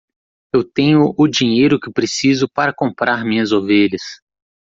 Eu tenho o dinheiro que preciso para comprar minhas ovelhas.